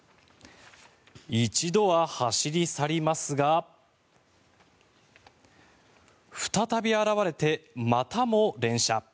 １度は走り去りますが再び現れて、またも連射。